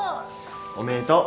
おめでとう。